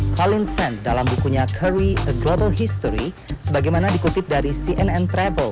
colin sand dalam bukunya kari a global history sebagaimana dikutip dari cnn travel